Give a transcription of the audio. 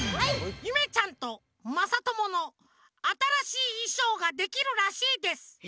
ゆめちゃんとまさとものあたらしいいしょうができるらしいです。